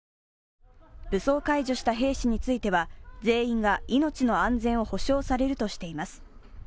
武装解除した兵士については全員が命の安全を保証されるとしています。